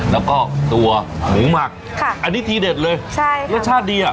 แล้วก็ตัวหมูหมักค่ะอันนี้ทีเด็ดเลยใช่ค่ะรสชาติดีอ่ะ